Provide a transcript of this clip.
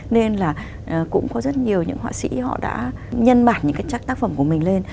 nên là cũng có rất nhiều những họa sĩ họ đã nhân bản những cái tác phẩm của mình lên